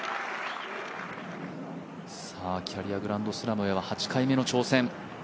キャリアグランドスラムへは８回目の挑戦。